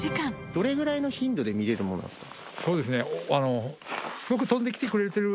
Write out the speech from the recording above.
どれぐらいの頻度で見れるもんなんですか？